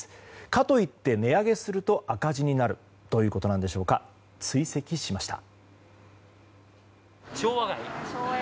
かといって値上げすると赤字になるということでしょうか追跡しました。